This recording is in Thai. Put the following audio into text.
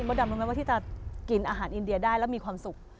ดำรู้ไหมว่าที่จะกินอาหารอินเดียได้แล้วมีความสุข